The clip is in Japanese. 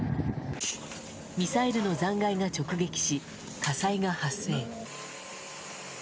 ミサイルの残骸が直撃し火災が発生。